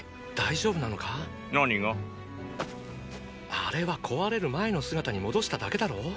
あれは壊れる前の姿に戻しただけだろう？